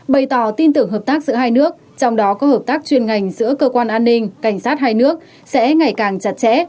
bày tỏ tin tưởng hợp tác giữa hai nước trong đó có hợp tác chuyên ngành giữa cơ quan an ninh cảnh sát hai nước sẽ ngày càng chặt chẽ